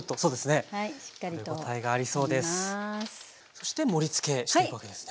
そして盛りつけしていくわけですね。